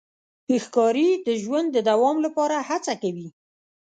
ښکاري د ژوند د دوام لپاره هڅه کوي.